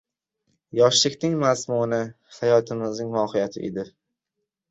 yoshlikning mazmuni, hayotimizning mohiyati edi.